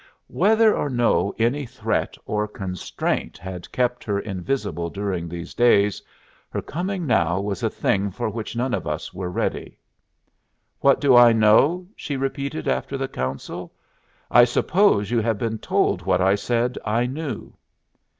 Whether or no any threat or constraint had kept her invisible during these days, her coming now was a thing for which none of us were ready. "What do I know?" she repeated after the counsel. "I suppose you have been told what I said I knew."